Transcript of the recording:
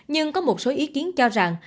nhưng có một số ý kiến cho rằng